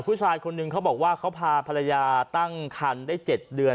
ผู้ชายคนหนึ่งเขาบอกว่าเขาพาภรรยาตั้งคันได้๗เดือน